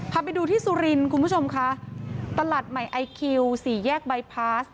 พาไปดูที่สุรินทร์คุณผู้ชมค่ะตลาดใหม่ไอคิวสี่แยกบายพาส